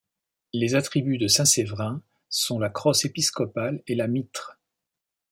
Les attributs de saint Séverin sont la crosse épiscopale et la mitre.